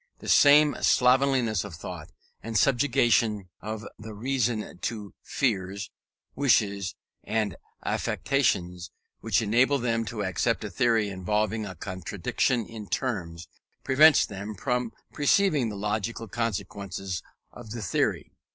The same slovenliness of thought, and subjection of the reason to fears, wishes, and affections, which enable them to accept a theory involving a contradiction in terms, prevents them from perceiving the logical consequences of the theory.